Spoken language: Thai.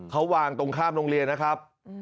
เขาวางตรงข้ามโรงเรียนนะครับ